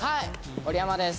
織山です。